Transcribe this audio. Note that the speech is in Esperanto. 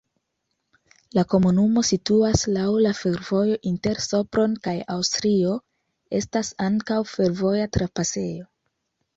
La komunumo situas laŭ la fervojo inter Sopron kaj Aŭstrio, estas ankaŭ fervoja trapasejo.